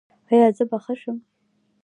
ایا زه به ښه شم؟